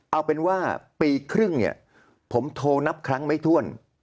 เอาเป็นว่าปีครึ่งเนี่ยผมโทรนับครั้งไม่ถ้วน